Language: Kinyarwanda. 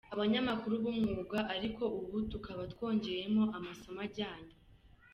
abanyamakuru b’umwuga,… ariko ubu tukaba twongeyemo amasomo ajyanye.